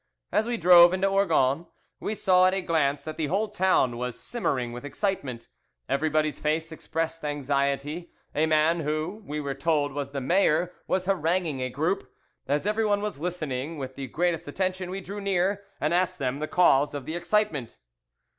As we drove into Orgon we saw at a glance that the whole town was simmering with excitement. Everybody's face expressed anxiety. A man who, we were told, was the mayor, was haranguing a group. As everyone was listening, with the greatest attention, we drew near and asked them the cause of the excitement.